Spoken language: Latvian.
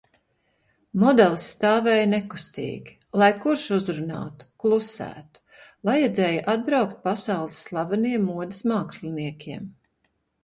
Modeles stāvēja nekustīgi. Lai kurš uzrunātu – klusētu. Vajadzēja atbraukt pasaules slaveniem modes māksliniekiem.